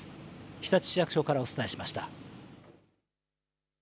日立市役所からお伝えしました。